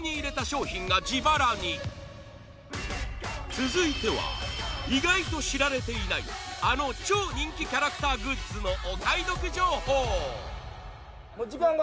続いては意外と知られていないあの超人気キャラクターグッズのお買い得情報もう時間が。